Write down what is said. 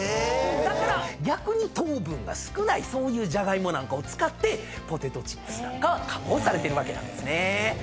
だから逆に糖分が少ないじゃがいもなんかを使ってポテトチップスなんかは加工されてるわけなんですね。